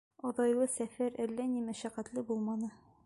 Оҙайлы сәфәр әллә ни мәшәҡәтле булманы.